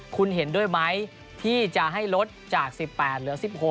คุณเห็นด้วยไหมที่จะให้ลดจาก๑๘เหลือ๑๖